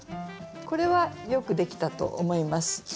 これはよくできたと思います。